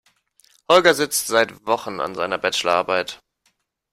Holger sitzt seit Wochen an seiner Bachelor Arbeit.